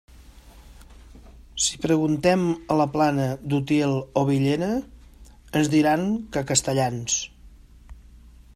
Si preguntem a la Plana d'Utiel o Villena, ens diran que castellans.